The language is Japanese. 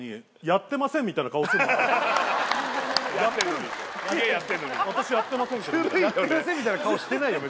やってませんみたいな顔してないよ